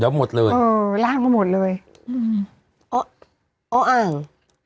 เดี๋ยวหมดเลยเออลากมาหมดเลยอ๋ออ๋อ่าง